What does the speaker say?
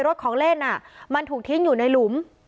รถของเล่นมันถูกทิ้งอยู่ในหลุม